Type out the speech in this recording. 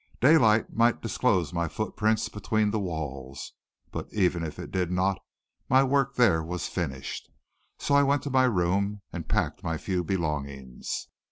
Daylight might disclose my footprints between the walls, but even if it did not, my work there was finished. So I went to my room and packed my few belongings.